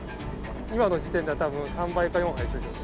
今の時点では多分３杯か４杯ついてる。